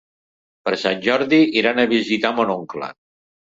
Per Sant Jordi iran a visitar mon oncle.